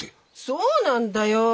そうなんだよ！